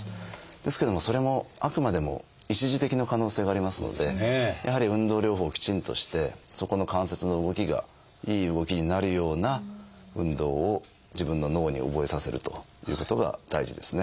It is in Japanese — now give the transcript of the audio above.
ですけどもそれもあくまでも一時的な可能性がありますのでやはり運動療法をきちんとしてそこの関節の動きがいい動きになるような運動を自分の脳に覚えさせるということが大事ですね。